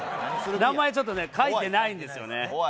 名前ちょっとね、書いてないんですよね。